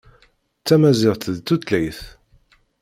Tamaziɣt d tutlayt.